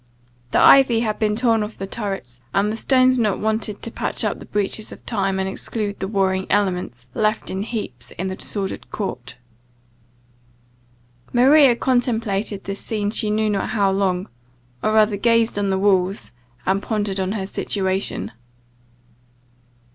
The ivy had been torn off the turrets, and the stones not wanted to patch up the breaches of time, and exclude the warring elements, left in heaps in the disordered court. Maria contemplated this scene she knew not how long; or rather gazed on the walls, and pondered on her situation.